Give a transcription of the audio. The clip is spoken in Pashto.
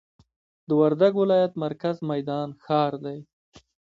د وردګ ولایت مرکز میدان ښار دی